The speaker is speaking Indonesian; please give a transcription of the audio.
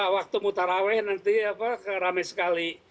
waktu mutaraweh nanti apa ramai sekali